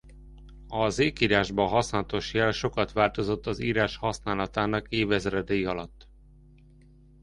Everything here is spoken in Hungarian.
Az ékírásban használatos jel sokat változott az írás használatának évezredei alatt.